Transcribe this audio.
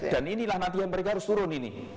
dan inilah nanti yang mereka harus turun ini